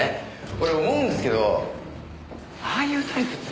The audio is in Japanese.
俺思うんですけどああいうタイプって。